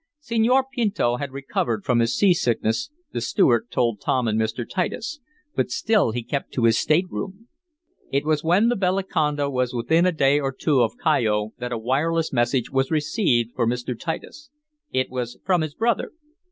Senor Pinto had recovered from his seasickness, the steward told Tom and Mr. Titus, but still he kept to his stateroom. It was when the Bellaconda was within a day or two of Callao that a wireless message was received for Mr. Titus. It was from his brother.